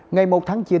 ngày một tháng chín